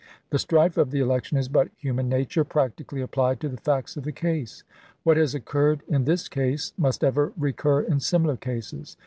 The strife of the election is but human nature practically applied to the facts of the case. What has occurred in this case must ever recur in similar cases.